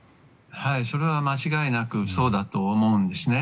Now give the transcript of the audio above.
それは間違いなくそうだと思うんですね。